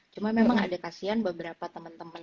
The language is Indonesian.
cuma memang ada kasihan beberapa temen temen